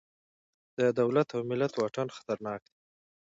د دولت او ملت واټن خطرناک دی.